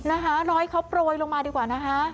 น้อยเขาโปรยลงมาดีกว่านะคะ